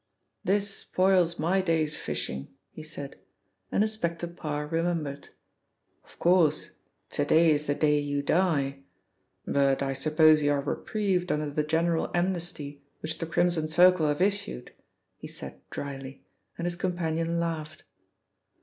"This spoils my day's fishing," he said, and Inspector Parr remembered. "Of course, to day is the day you die! But I suppose you are reprieved under the general amnesty which the Crimson Circle have issued," he said drily, and his companion laughed.